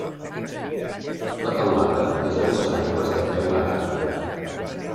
La teulada és a dues aigües de teula àrab.